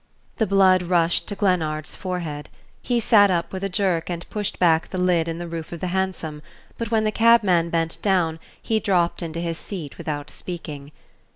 The blood rushed to Glennard's forehead. He sat up with a jerk and pushed back the lid in the roof of the hansom; but when the cabman bent down he dropped into his seat without speaking.